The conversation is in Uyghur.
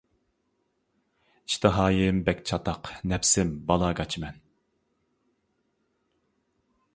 ئىشتىھايىم بەك چاتاق نەپسىم بالا گاچىمەن.